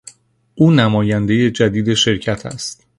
او نمایندهی جدید شرکت است.